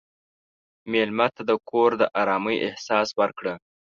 مېلمه ته د کور د ارامۍ احساس ورکړه.